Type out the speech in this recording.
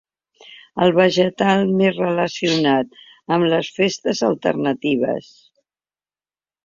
El vegetal més relacionat amb les festes alternatives.